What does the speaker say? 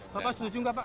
bapak setuju enggak pak